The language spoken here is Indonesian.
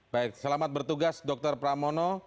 baik selamat bertugas dr pramono